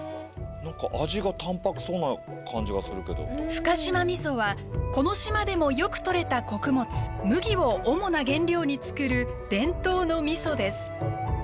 深島みそはこの島でもよくとれた穀物麦を主な原料に造る伝統のみそです。